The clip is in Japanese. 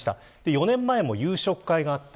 ４年前も夕食会があった。